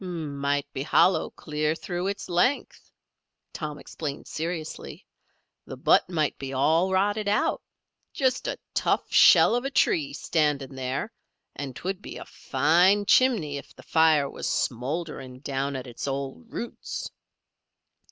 "Might be hollow clear through its length," Tom explained seriously. "The butt might be all rotted out. Just a tough shell of a tree standing there, and 'twould be a fine chimney if the fire was smouldering down at its old roots."